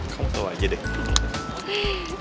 kamu tau aja deh